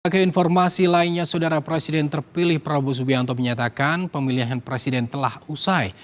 keinformasi lainnya saudara presiden terpilih prabowo subianto menyatakan pemilihan presiden telah usai